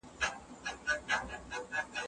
استاد باید له شاګرد سره ګام په ګام ولاړ سي.